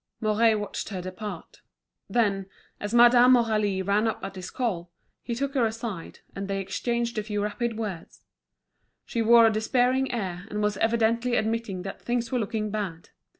Mouret watched her depart. Then, as Madame Aurélie ran up at his call, he took her aside, and they exchanged a few rapid words. She wore a despairing air, and was evidently admitting that things were looking bad.